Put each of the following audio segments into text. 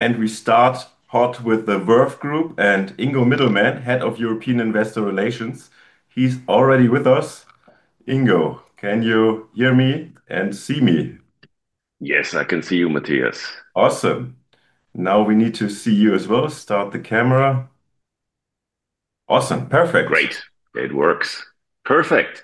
We start hot with Verve Group and Ingo Middelmenne, Head of European Investor Relations. He's already with us. Ingo, can you hear me and see me? Yes, I can see you, Matthias. Awesome. Now we need to see you as well. Start the camera. Awesome. Perfect. Great. It works. Perfect.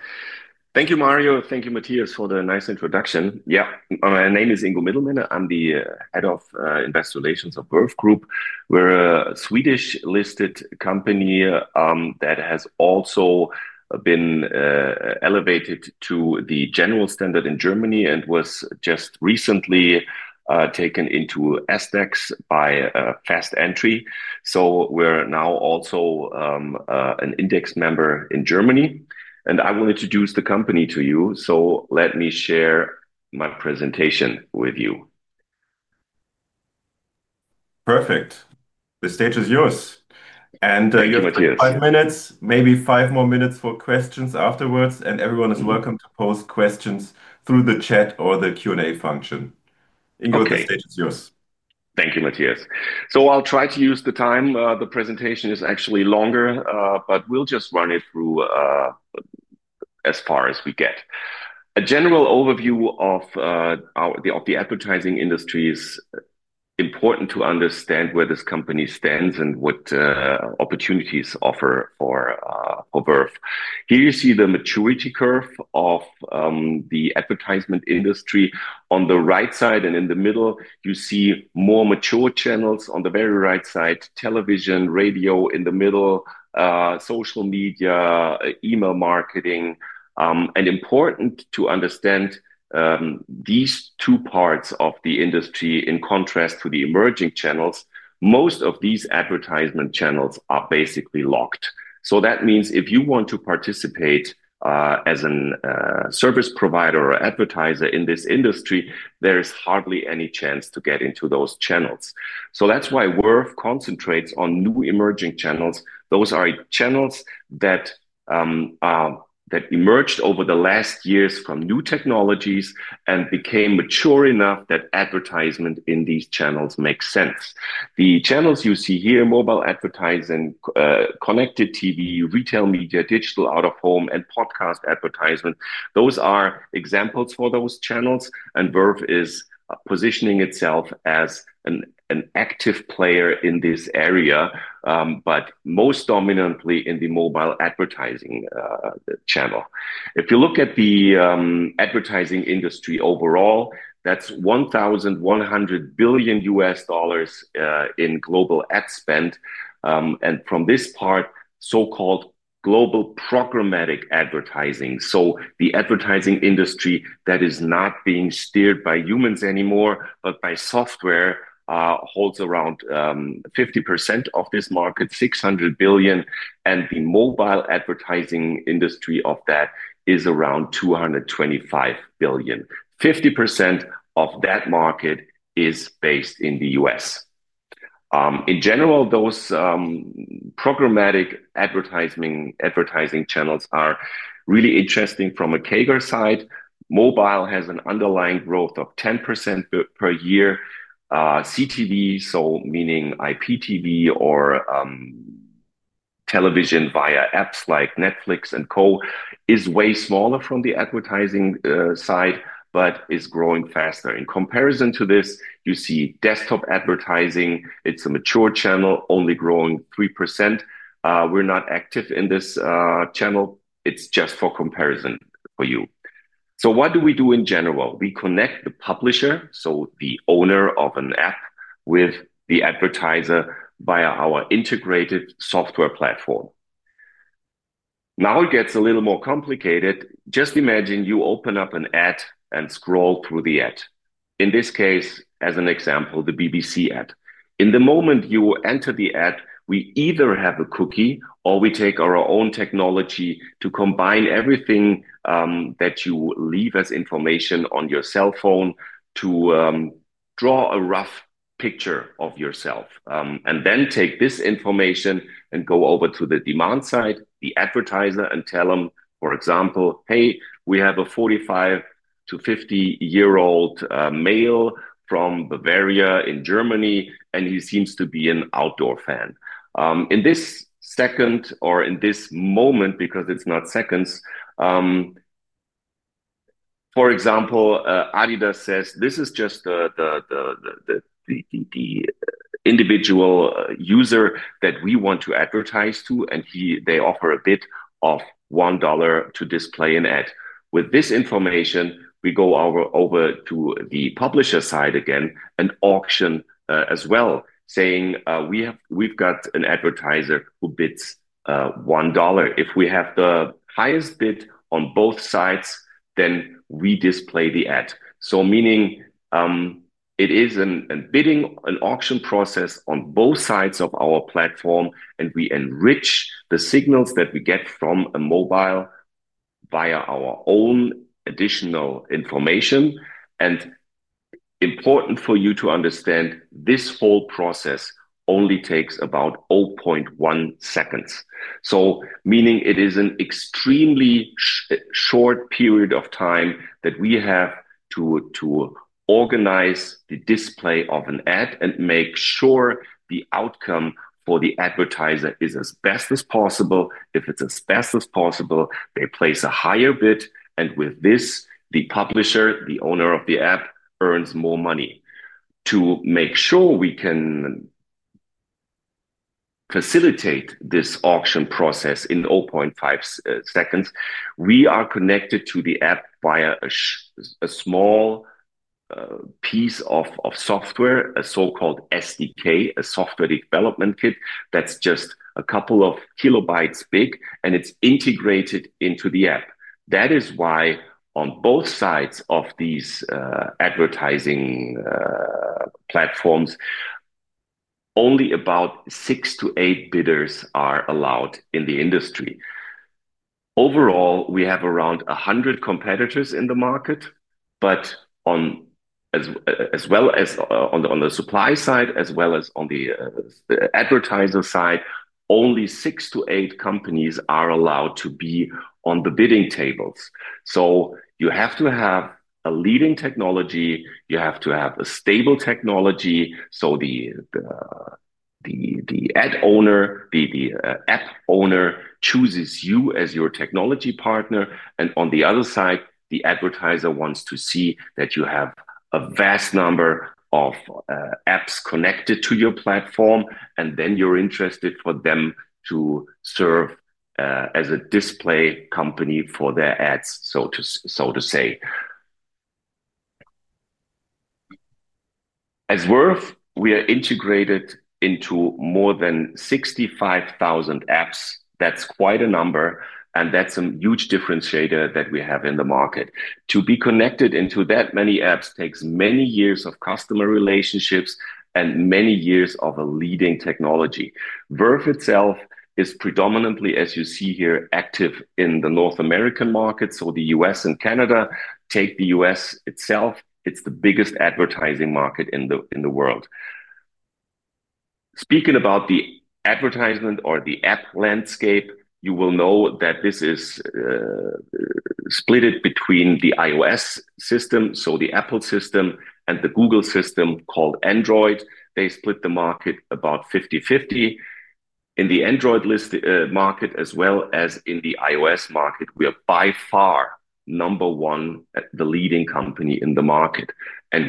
Thank you, Mario. Thank you, Matthias, for the nice introduction. Yeah, my name is Ingo Middelmenne. I'm the Head of Investor Relations of Verve Group. We're a Swedish-listed company that has also been elevated to the General Standard in Germany and was just recently taken into SDAX by fast entry. We're now also an index member in Germany. I will introduce the company to you. Let me share my presentation with you. Perfect. The stage is yours. You have five minutes, maybe five more minutes for questions afterwards. Everyone is welcome to post questions through the chat or the Q&A function. Ingo, the stage is yours. Thank you, Matthias. I'll try to use the time. The presentation is actually longer, but we'll just run it through as far as we get. A general overview of the advertising industry is important to understand where this company stands and what opportunities offer for Verve. Here you see the maturity curve of the advertising industry on the right side. In the middle, you see more mature channels. On the very right side, television, radio, in the middle, social media, email marketing. It's important to understand, these two parts of the industry, in contrast to the emerging channels, most of these advertising channels are basically locked. That means if you want to participate as a service provider or advertiser in this industry, there is hardly any chance to get into those channels. That's why Verve concentrates on new emerging channels. Those are channels that emerged over the last years from new technologies and became mature enough that advertising in these channels makes sense. The channels you see here, mobile advertising, connected TV, retail media, digital out-of-home, and podcast advertising, those are examples for those channels. Verve is positioning itself as an active player in this area, but most dominantly in the mobile advertising channel. If you look at the advertising industry overall, that's $1,100 billion in global ad spend. From this part, so-called global programmatic advertising, the advertising industry that is not being steered by humans anymore, but by software, holds around 50% of this market, $600 billion. The mobile advertising industry of that is around $225 billion. 50% of that market is based in the U.S. In general, those programmatic advertising channels are really interesting from a CAGR side. Mobile has an underlying growth of 10% per year. CTV, meaning IPTV or television via apps like Netflix and Co., is way smaller from the advertising side, but is growing faster. In comparison to this, you see desktop advertising. It's a mature channel, only growing 3%. We're not active in this channel. It's just for comparison for you. What do we do in general? We connect the publisher, so the owner of an app, with the advertiser via our integrated software platform. Now it gets a little more complicated. Just imagine you open up an ad and scroll through the ad. In this case, as an example, the BBC ad. In the moment you enter the ad, we either have a cookie or we take our own technology to combine everything that you leave as information on your cell phone to draw a rough picture of yourself, and then take this information and go over to the demand side, the advertiser, and tell them, for example, hey, we have a 45-year-old to 50-year-old male from Bavaria in Germany, and he seems to be an outdoor fan. In this second or in this moment, because it's not seconds, for example, Adidas says, this is just the individual user that we want to advertise to, and they offer a bid of $1 to display an ad. With this information, we go over to the publisher side again and auction as well, saying, we've got an advertiser who bids $1. If we have the highest bid on both sides, then we display the ad. It is a bidding, an auction process on both sides of our platform, and we enrich the signals that we get from a mobile via our own additional information. Important for you to understand, this whole process only takes about 0.1 seconds. It is an extremely short period of time that we have to organize the display of an ad and make sure the outcome for the advertiser is as best as possible. If it's as best as possible, they place a higher bid. With this, the publisher, the owner of the app, earns more money. To make sure we can facilitate this auction process in 0.5 seconds, we are connected to the app via a small piece of software, a so-called SDK, a software development kit that's just a couple of kilobytes big, and it's integrated into the app. That is why on both sides of these advertising platforms, only about six to eight bidders are allowed in the industry. Overall, we have around 100 competitors in the market, but as well as on the supply side, as well as on the advertiser side, only six to eight companies are allowed to be on the bidding tables. You have to have a leading technology. You have to have a stable technology. The ad owner, the app owner, chooses you as your technology partner. On the other side, the advertiser wants to see that you have a vast number of apps connected to your platform, and then you're interested for them to serve as a display company for their ads, so to say. As Verve, we are integrated into more than 65,000 apps. That's quite a number, and that's a huge differentiator that we have in the market. To be connected into that many apps takes many years of customer relationships and many years of a leading technology. Verve itself is predominantly, as you see here, active in the North American market. The U.S. and Canada take the U.S. itself. It's the biggest advertising market in the world. Speaking about the advertisement or the app landscape, you will know that this is split between the iOS system, so the Apple system, and the Google system called Android. They split the market about 50/50. In the Android list market, as well as in the iOS market, we are by far number one, the leading company in the market.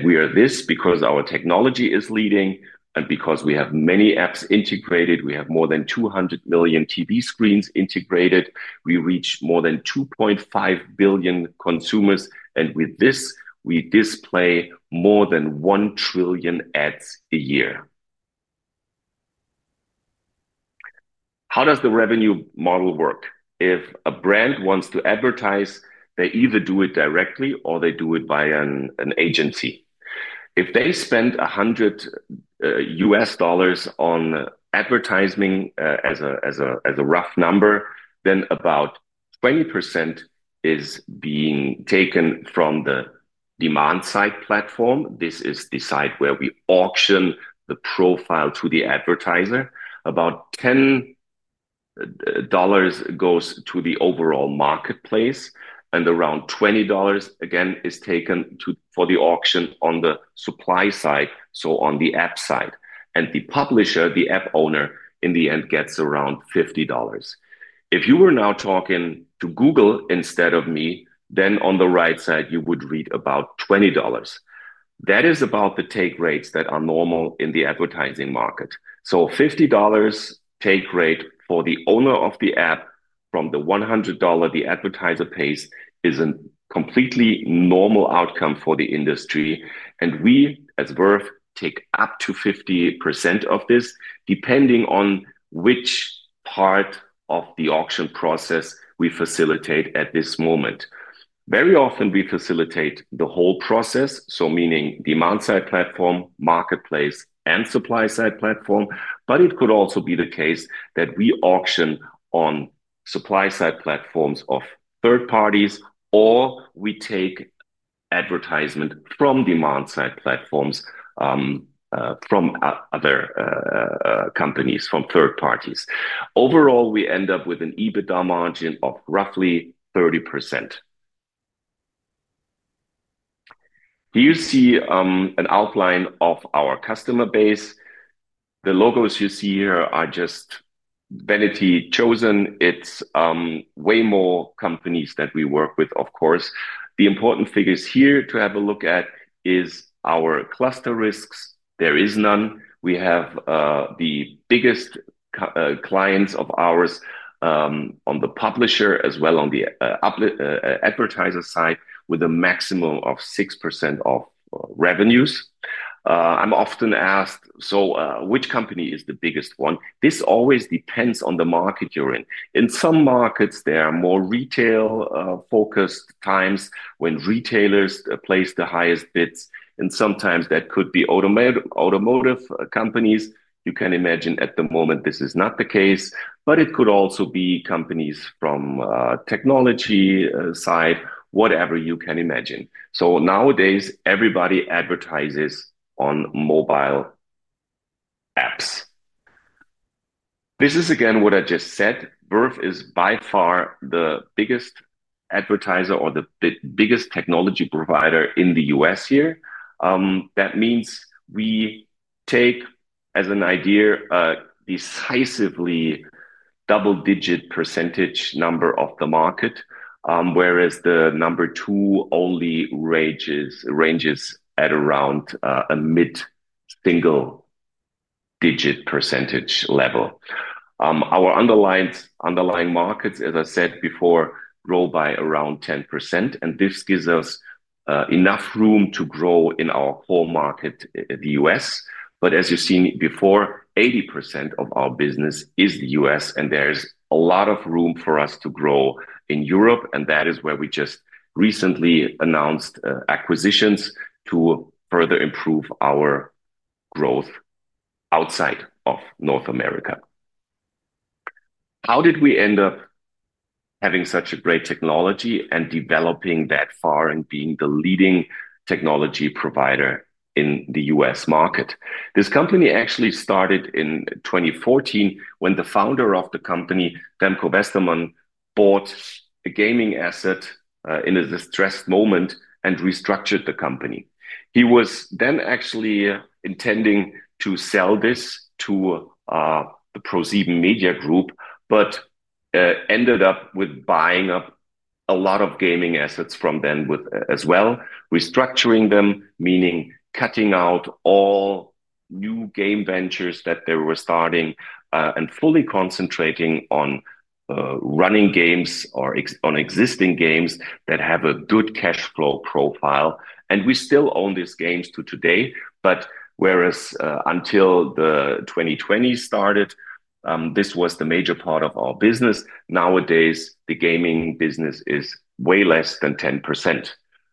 We are this because our technology is leading and because we have many apps integrated. We have more than 200 million TV screens integrated. We reach more than 2.5 billion consumers. With this, we display more than 1 trillion ads a year. How does the revenue model work? If a brand wants to advertise, they either do it directly or they do it via an agency. If they spend $100 on advertising as a rough number, then about 20% is being taken from the demand-side platform. This is the side where we auction the profile to the advertiser. About $10 goes to the overall marketplace. Around $20, again, is taken for the auction on the supply side, so on the app side. The publisher, the app owner, in the end, gets around $50. If you were now talking to Google instead of me, then on the right side, you would read about $20. That is about the take rates that are normal in the advertising market. $50 take rate for the owner of the app from the $100 the advertiser pays is a completely normal outcome for the industry. We, as Verve, take up to 50% of this, depending on which part of the auction process we facilitate at this moment. Very often, we facilitate the whole process, meaning demand-side platform, marketplace, and supply-side platform. It could also be the case that we auction on supply-side platforms of third parties, or we take advertisement from demand-side platforms from other companies, from third parties. Overall, we end up with an EBITDA margin of roughly 30%. Do you see an outline of our customer base? The logos you see here are just vanity chosen. It's way more companies that we work with, of course. The important figures here to have a look at are our cluster risks. There is none. We have the biggest clients of ours on the publisher as well as on the advertiser side with a maximum of 6% of revenues. I'm often asked, so which company is the biggest one? This always depends on the market you're in. In some markets, there are more retail-focused times when retailers place the highest bids. Sometimes that could be automotive companies. You can imagine at the moment this is not the case. It could also be companies from the technology side, whatever you can imagine. Nowadays, everybody advertises on mobile apps. This is, again, what I just said. Verve is by far the biggest advertiser or the biggest technology provider in the U.S. here. That means we take, as an idea, a decisively double-digit percentage number of the market, whereas the number two only ranges at around a mid-single-digit percentage level. Our underlying markets, as I said before, grow by around 10%. This gives us enough room to grow in our whole market, the U.S. As you've seen before, 80% of our business is the U.S., and there is a lot of room for us to grow in Europe. That is where we just recently announced acquisitions to further improve our growth outside of North America. How did we end up having such a great technology and developing that far and being the leading technology provider in the U.S. market? This company actually started in 2014 when the founder of the company, Remco Westermann, bought a gaming asset in a distressed moment and restructured the company. He was then actually intending to sell this to the Proceeding Media Group, but ended up buying up a lot of gaming assets from them as well, restructuring them, meaning cutting out all new game ventures that they were starting and fully concentrating on running games or on existing games that have a good cash flow profile. We still own these games to today. Whereas until 2020 started, this was the major part of our business. Nowadays, the gaming business is way less than 10%.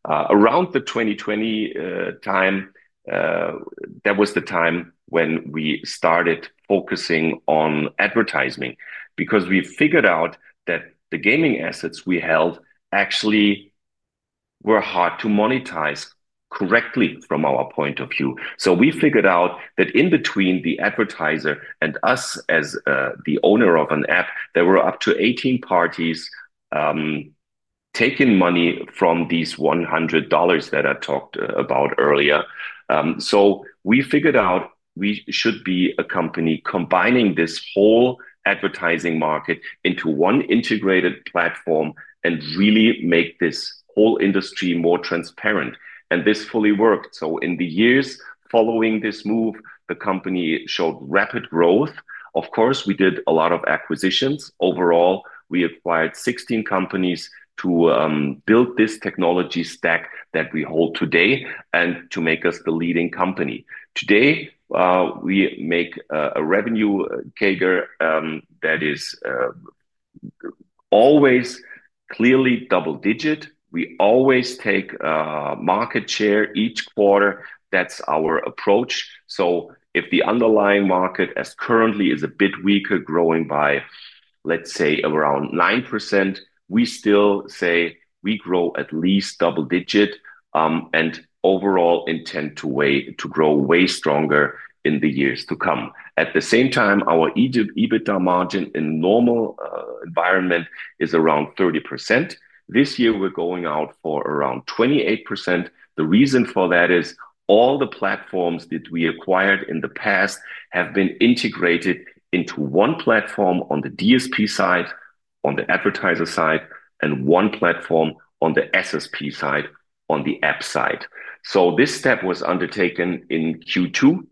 Around the 2020 time, that was the time when we started focusing on advertising because we figured out that the gaming assets we held actually were hard to monetize correctly from our point of view. We figured out that in between the advertiser and us as the owner of an app, there were up to 18 parties taking money from these $100 that I talked about earlier. We figured out we should be a company combining this whole advertising market into one integrated platform and really make this whole industry more transparent. This fully worked. In the years following this move, the company showed rapid growth. Of course, we did a lot of acquisitions. Overall, we acquired 16 companies to build this technology stack that we hold today and to make us the leading company. Today, we make a revenue CAGR that is always clearly double-digit. We always take market share each quarter. That's our approach. If the underlying market, as currently, is a bit weaker, growing by, let's say, around 9%, we still say we grow at least double-digit and overall intend to grow way stronger in the years to come. At the same time, our EBITDA margin in a normal environment is around 30%. This year, we're going out for around 28%. The reason for that is all the platforms that we acquired in the past have been integrated into one platform on the DSP side, on the advertiser side, and one platform on the SSP side, on the app side. This step was undertaken in Q2.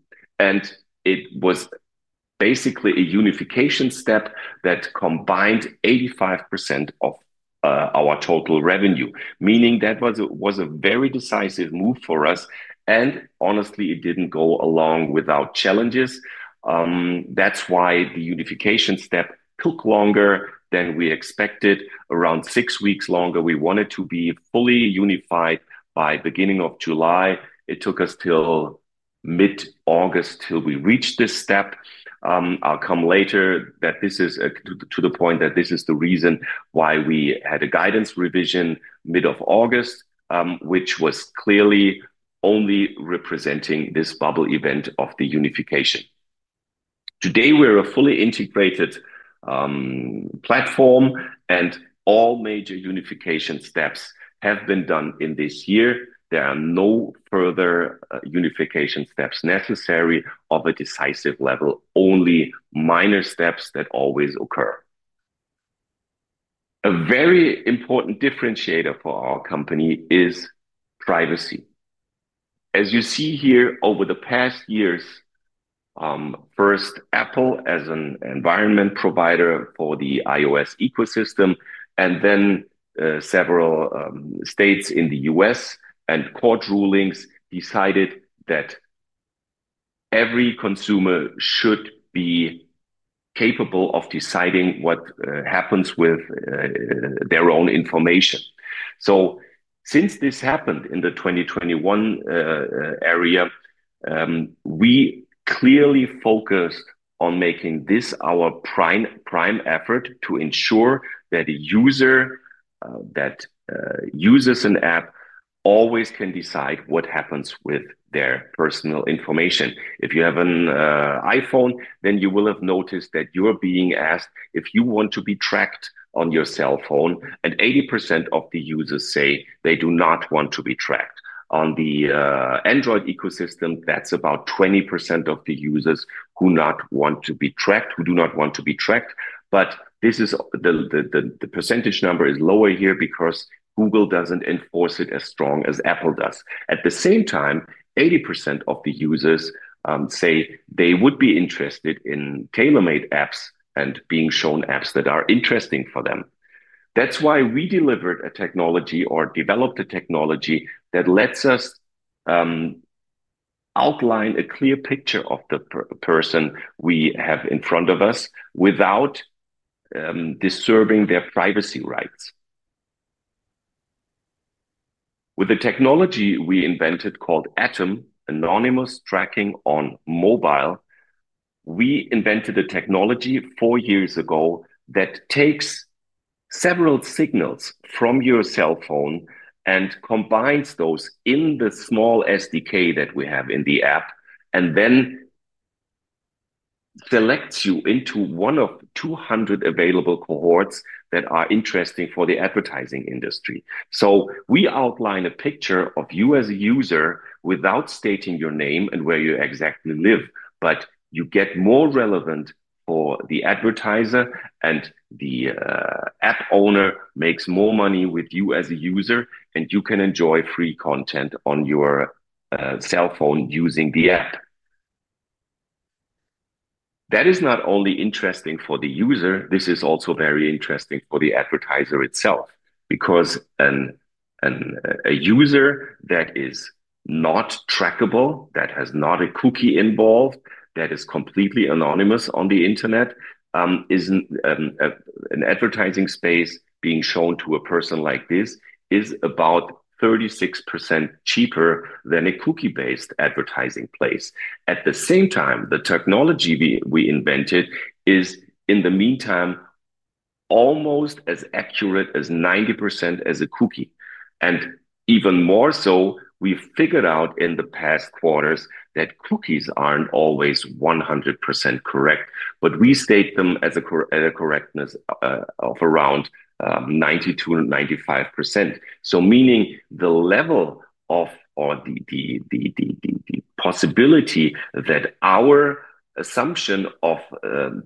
It was basically a unification step that combined 85% of our total revenue, meaning that was a very decisive move for us. Honestly, it didn't go along without challenges. That's why the unification step took longer than we expected, around six weeks longer. We wanted to be fully unified by the beginning of July. It took us till mid-August till we reached this step. I'll come later that this is to the point that this is the reason why we had a guidance revision mid-August, which was clearly only representing this bubble event of the unification. Today, we're a fully integrated platform, and all major unification steps have been done in this year. There are no further unification steps necessary of a decisive level, only minor steps that always occur. A very important differentiator for our company is privacy. As you see here, over the past years, first Apple as an environment provider for the iOS ecosystem, and then several states in the U.S. and court rulings decided that every consumer should be capable of deciding what happens with their own information. Since this happened in the 2021 area, we clearly focused on making this our prime effort to ensure that a user that uses an app always can decide what happens with their personal information. If you have an iPhone, then you will have noticed that you're being asked if you want to be tracked on your cell phone. 80% of the users say they do not want to be tracked. On the Android ecosystem, that's about 20% of the users who do not want to be tracked, who do not want to be tracked. This percentage number is lower here because Google doesn't enforce it as strongly as Apple does. At the same time, 80% of the users say they would be interested in tailor-made apps and being shown apps that are interesting for them. That's why we delivered a technology or developed a technology that lets us outline a clear picture of the person we have in front of us without disturbing their privacy rights. With the technology we invented called ATOM, Anonymous Tracking on Mobile, we invented a technology four years ago that takes several signals from your cell phone and combines those in the small SDK that we have in the app and then selects you into one of 200 available cohorts that are interesting for the advertising industry. We outline a picture of you as a user without stating your name and where you exactly live. You get more relevant for the advertiser, and the app owner makes more money with you as a user, and you can enjoy free content on your cell phone using the app. That is not only interesting for the user. This is also very interesting for the advertiser itself because a user that is not trackable, that has not a cookie involved, that is completely anonymous on the internet, an advertising space being shown to a person like this is about 36% cheaper than a cookie-based advertising place. At the same time, the technology we invented is, in the meantime, almost as accurate as 90% as a cookie. Even more so, we've figured out in the past quarters that cookies aren't always 100% correct, but we state them as a correctness of around 92%-95%. Meaning the level of or the possibility that our assumption of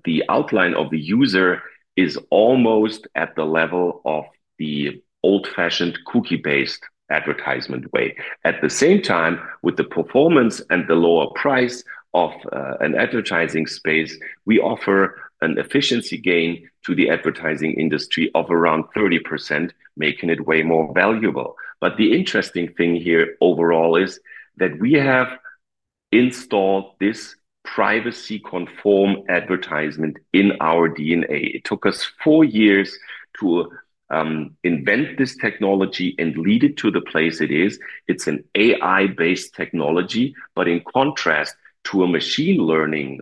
the outline of the user is almost at the level of the old-fashioned cookie-based advertisement way. At the same time, with the performance and the lower price of an advertising space, we offer an efficiency gain to the advertising industry of around 30%, making it way more valuable. The interesting thing here overall is that we have installed this privacy-conformed advertisement in our DNA. It took us four years to invent this technology and lead it to the place it is. It's an AI-based technology. In contrast to a machine learning,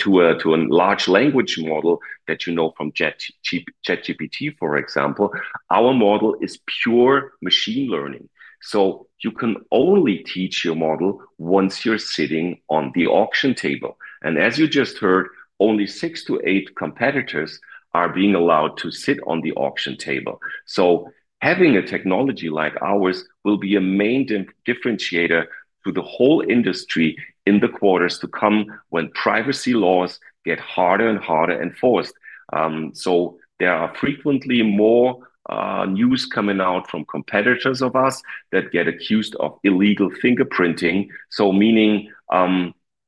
to a large language model that you know from ChatGPT, for example, our model is pure machine learning. You can only teach your model once you're sitting on the auction table. As you just heard, only six to eight competitors are being allowed to sit on the auction table. Having a technology like ours will be a main differentiator to the whole industry in the quarters to come when privacy laws get harder and harder enforced. There are frequently more news coming out from competitors of us that get accused of illegal fingerprinting, meaning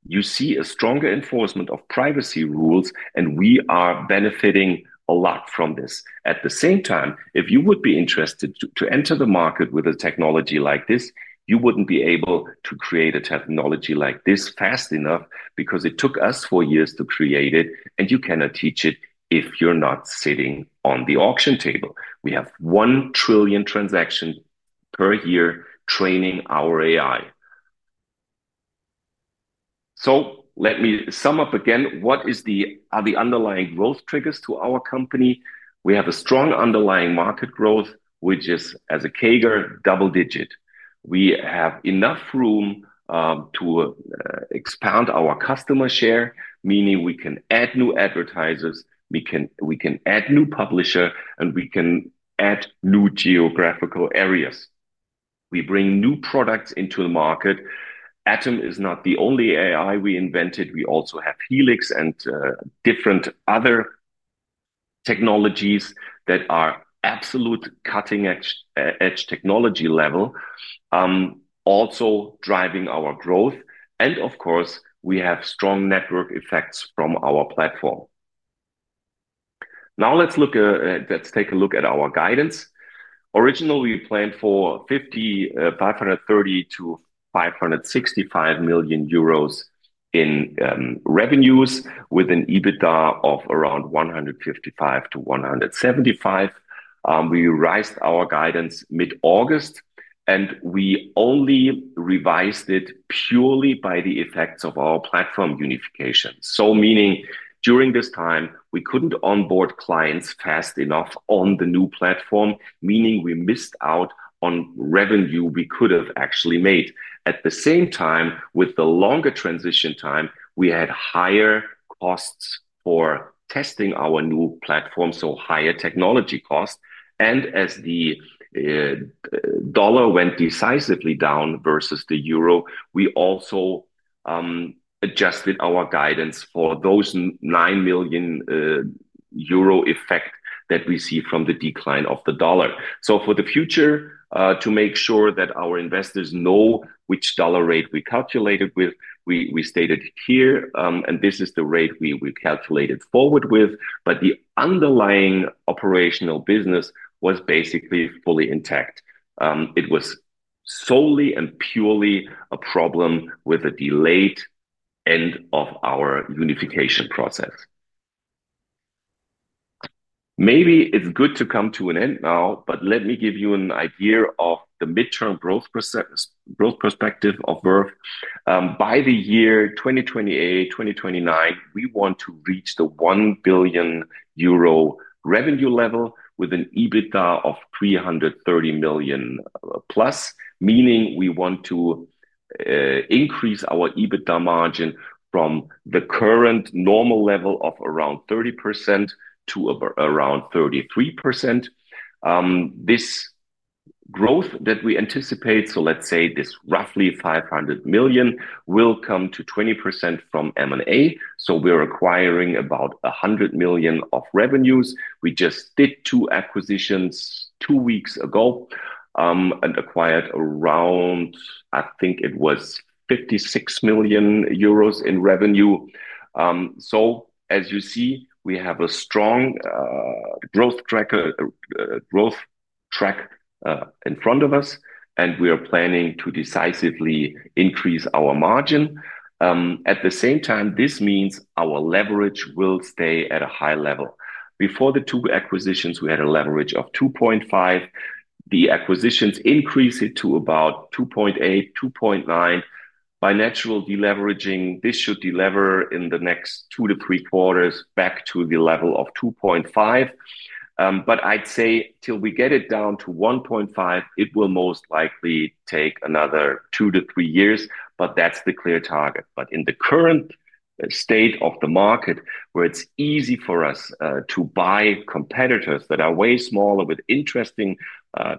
you see a stronger enforcement of privacy rules, and we are benefiting a lot from this. At the same time, if you would be interested to enter the market with a technology like this, you wouldn't be able to create a technology like this fast enough because it took us four years to create it. You cannot teach it if you're not sitting on the auction table. We have 1 trillion transactions per year training our AI. Let me sum up again, what are the underlying growth triggers to our company? We have a strong underlying market growth, which is, as a CAGR, double-digit. We have enough room to expand our customer share, meaning we can add new advertisers, we can add new publishers, and we can add new geographical areas. We bring new products into the market. ATOM is not the only AI we invented. We also have Helix and different other technologies that are absolute cutting-edge technology level, also driving our growth. We have strong network effects from our platform. Now let's take a look at our guidance. Originally, we planned for 530 million-565 million euros in revenues with an EBITDA of around 155 million-175 million. We revised our guidance mid-August, and we only revised it purely by the effects of our platform unification. During this time, we couldn't onboard clients fast enough on the new platform, meaning we missed out on revenue we could have actually made. At the same time, with the longer transition time, we had higher costs for testing our new platform, so higher technology costs. As the dollar went decisively down versus the euro, we also adjusted our guidance for those 9 million euro effects that we see from the decline of the dollar. For the future, to make sure that our investors know which dollar rate we calculated with, we stated here, and this is the rate we calculated forward with. The underlying operational business was basically fully intact. It was solely and purely a problem with a delayed end of our unification process. Maybe it's good to come to an end now, but let me give you an idea of the midterm growth perspective of Verve. By the year 2028, 2029, we want to reach the 1 billion euro revenue level with an EBITDA of 330 million+, meaning we want to increase our EBITDA margin from the current normal level of around 30% to around 33%. This growth that we anticipate, so let's say this roughly 500 million, will come to 20% from M&A. We're acquiring about 100 million of revenues. We just did two acquisitions two weeks ago and acquired around, I think it was 56 million euros in revenue. As you see, we have a strong growth track in front of us, and we are planning to decisively increase our margin. At the same time, this means our leverage will stay at a high level. Before the two acquisitions, we had a leverage of 2.5. The acquisitions increased it to about 2.8, 2.9. By natural deleveraging, this should deliver in the next two to three quarters back to the level of 2.5. I'd say till we get it down to 1.5, it will most likely take another two to three years, but that's the clear target. In the current state of the market, where it's easy for us to buy competitors that are way smaller with interesting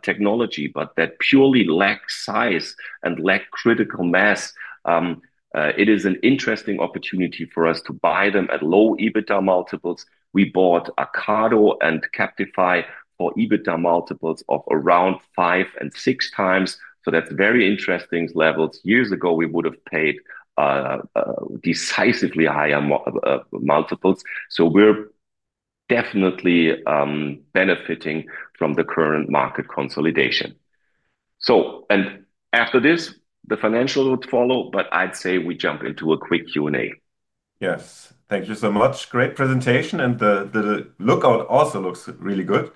technology, but that purely lack size and lack critical mass, it is an interesting opportunity for us to buy them at low EBITDA multiples. We bought acardo and Captify for EBITDA multiples of around 5x and 6x. That's very interesting levels. Years ago, we would have paid decisively higher multiples. We're definitely benefiting from the current market consolidation. After this, the financials would follow. I'd say we jump into a quick Q&A. Yes, thank you so much. Great presentation. The lookout also looks really good.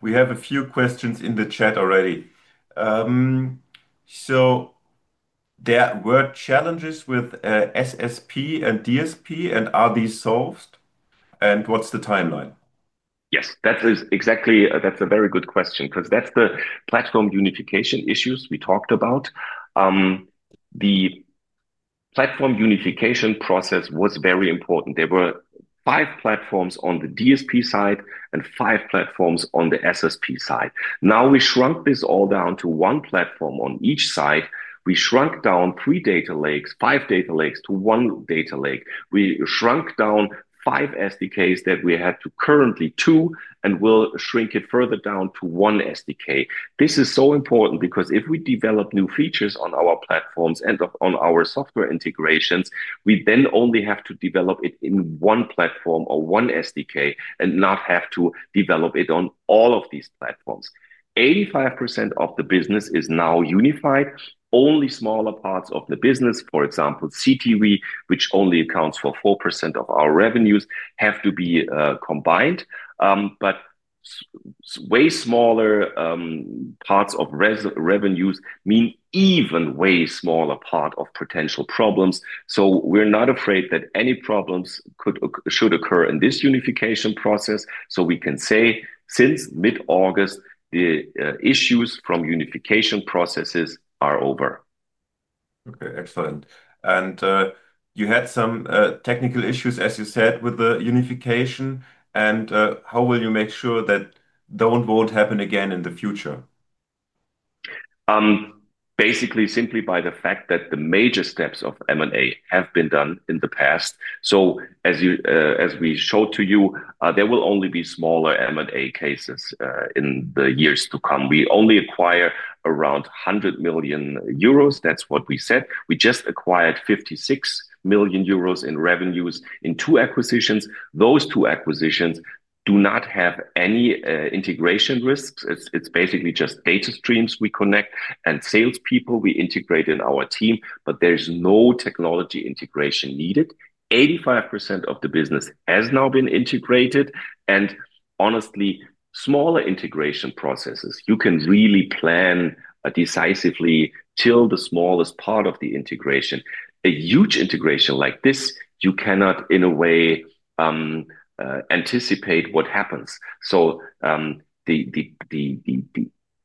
We have a few questions in the chat already. There were challenges with SSP and DSP, and are these solved? What's the timeline? Yes, that's exactly a very good question because that's the platform unification issues we talked about. The platform unification process was very important. There were five platforms on the DSP side and five platforms on the SSP side. Now we shrunk this all down to one platform on each side. We shrunk down three data lakes, five data lakes to one data lake. We shrunk down five SDKs that we had to currently two, and we'll shrink it further down to one SDK. This is so important because if we develop new features on our platforms and on our software integrations, we then only have to develop it in one platform or one SDK and not have to develop it on all of these platforms. 85% of the business is now unified. Only smaller parts of the business, for example, CTV, which only accounts for 4% of our revenues, have to be combined. Way smaller parts of revenues mean even way smaller parts of potential problems. We're not afraid that any problems should occur in this unification process. We can say since mid-August, the issues from unification processes are over. Okay, excellent. You had some technical issues, as you said, with the unification. How will you make sure that it won't happen again in the future? Basically, simply by the fact that the major steps of M&A have been done in the past. As we showed to you, there will only be smaller M&A cases in the years to come. We only acquire around 100 million euros. That's what we said. We just acquired 56 million euros in revenues in two acquisitions. Those two acquisitions do not have any integration risks. It's basically just data streams we connect and salespeople we integrate in our team. There's no technology integration needed. 85% of the business has now been integrated. Honestly, smaller integration processes, you can really plan decisively till the smallest part of the integration. A huge integration like this, you cannot, in a way, anticipate what happens. The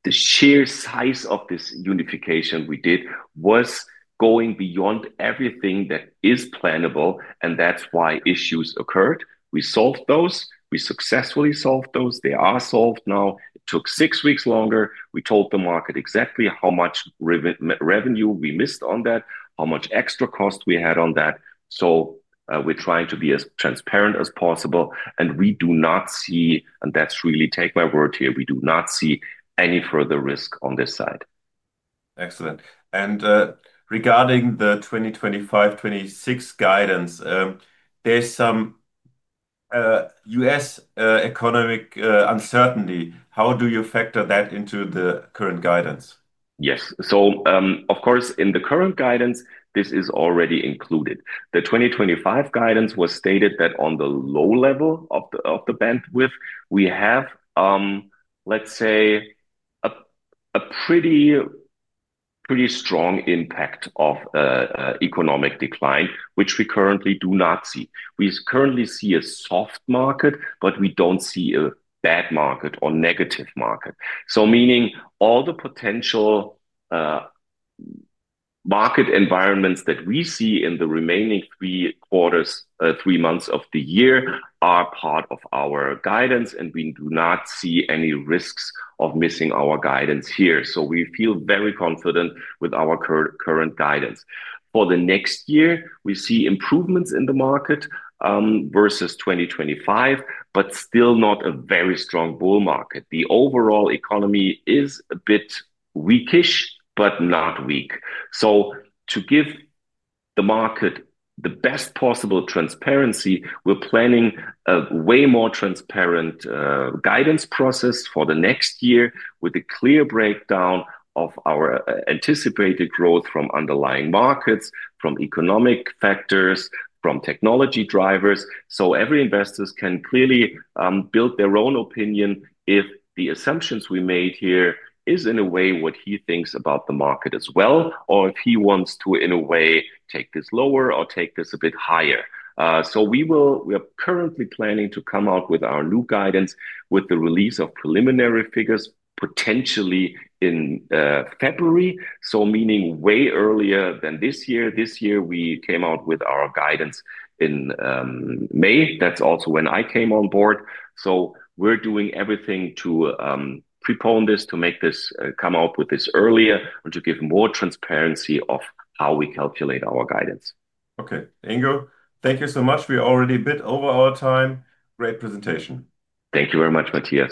sheer size of this unification we did was going beyond everything that is plannable. That's why issues occurred. We solved those. We successfully solved those. They are solved now. It took six weeks longer. We told the market exactly how much revenue we missed on that, how much extra cost we had on that. We're trying to be as transparent as possible. We do not see, and that's really take my word here, we do not see any further risk on this side. Excellent. Regarding the 2025-2026 guidance, there's some U.S. economic uncertainty. How do you factor that into the current guidance? Yes. Of course, in the current guidance, this is already included. The 2025 guidance stated that on the low level of the bandwidth, we have, let's say, a pretty strong impact of economic decline, which we currently do not see. We currently see a soft market, but we don't see a bad market or negative market. Meaning all the potential market environments that we see in the remaining three quarters, three months of the year are part of our guidance. We do not see any risks of missing our guidance here. We feel very confident with our current guidance. For the next year, we see improvements in the market versus 2025, but still not a very strong bull market. The overall economy is a bit weakish, but not weak. To give the market the best possible transparency, we're planning a way more transparent guidance process for the next year with a clear breakdown of our anticipated growth from underlying markets, from economic factors, from technology drivers. Every investor can clearly build their own opinion if the assumptions we made here are in a way what he thinks about the market as well, or if he wants to, in a way, take this lower or take this a bit higher. We are currently planning to come out with our new guidance with the release of preliminary figures potentially in February. Meaning way earlier than this year. This year, we came out with our guidance in May. That's also when I came on board. We're doing everything to prepone this, to make this come out with this earlier and to give more transparency of how we calculate our guidance. Okay, Ingo, thank you so much. We are already a bit over our time. Great presentation. Thank you very much, Matthias.